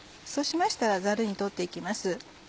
そうしましたらザルに取って行きます。